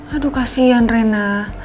aduh kasihan rena